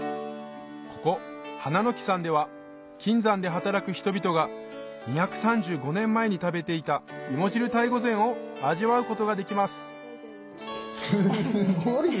ここ花の木さんでは金山で働く人々が２３５年前に食べていた芋汁鯛御膳を味わうことができますすごい。